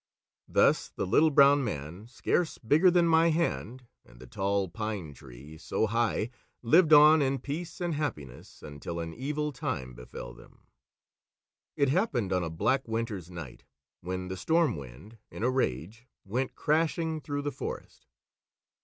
Thus the Little Brown Man, scarce bigger than my hand, and the Tall Pine Tree so high lived on in peace and happiness until an evil time befell them. It happened on a black winter's night, when the Storm Wind in a rage went crashing through the forest.